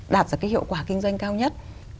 đạt ra cái hiệu quả kinh doanh cao nhất